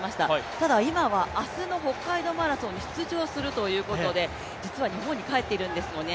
ただ、今は明日の北海道マラソンに出場するということで実は日本に帰っているんですよね。